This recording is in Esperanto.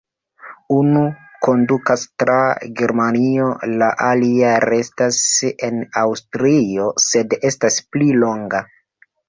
Unu kondukas tra Germanio, la alia restas en Aŭstrio, sed estas pli longa.